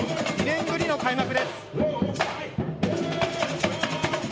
２年ぶりの開幕です。